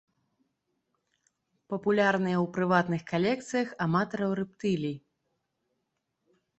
Папулярная ў прыватных калекцыях аматараў рэптылій.